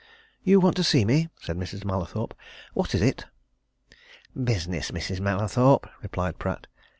"You want to see me?" said Mrs. Mallathorpe. "What is it?" "Business, Mrs. Mallathorpe," replied Pratt.